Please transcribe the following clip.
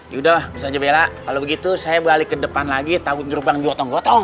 yaudah ustazah bela kalau begitu saya balik ke depan lagi takut gerbang diotong gotong